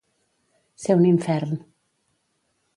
Ser un infern.